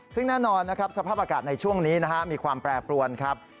ซึ่งแน่นอนนะครับสภาพอากาศในช่วงนี้มีความแปรปรวนครับ